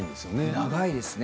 長いですね